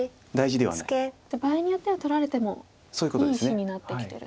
じゃあ場合によっては取られてもいい石になってきてる。